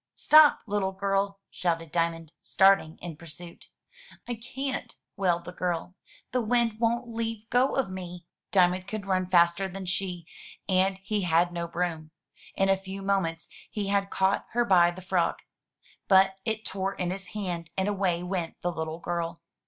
"Stop! little girl," shouted Diamond, starting in pursuit. "I can't," wailed the girl; "the wind won't leave go of me." 432 THROUGH FAIRY HALLS Diamond could run faster than she, and he had no broom. In a few moments he had caught her by the frock. But it tore in his hand, and away went the little girl.